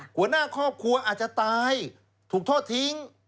หัวหน้าครอบครัวอาจจะตายถูกทอดทิ้ง